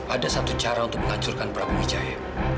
ada satu cara untuk menghancurkan prabu wijaya